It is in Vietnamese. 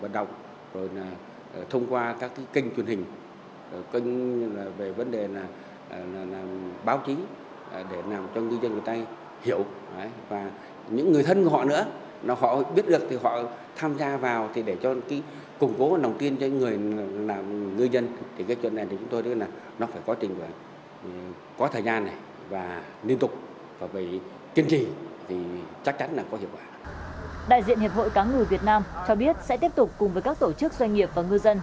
đại diện hiệp hội cáng người việt nam cho biết sẽ tiếp tục cùng với các tổ chức doanh nghiệp và ngư dân